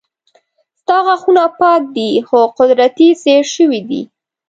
ستا غاښونه پاک دي خو قدرتي زيړ شوي دي